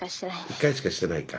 １回しかしてないか。